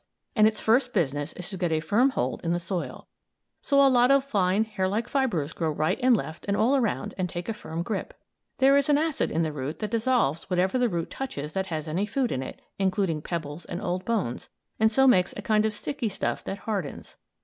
And its first business is to get a firm hold in the soil. So a lot of fine hairlike fibres grow right and left and all around and take a firm grip. There is an acid in the root that dissolves whatever the root touches that has any food in it including pebbles and old bones and so makes a kind of sticky stuff that hardens.